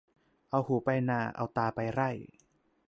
เอาหูไปนา เอาตาไปไร่